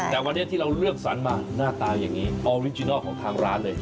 แต่วันนี้ที่เราเลือกสรรมาหน้าตาอย่างนี้ออริจินัลของทางร้านเลย